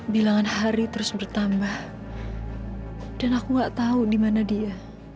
bilangan hari terus bertambah dan aku nggak tahu dimana dia